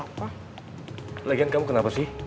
lagi lagi kamu kenapa sih